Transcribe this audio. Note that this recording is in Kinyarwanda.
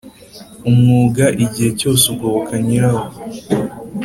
umwuga igihe cyose ugoboka nyirawo